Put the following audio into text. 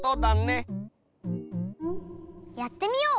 やってみよう。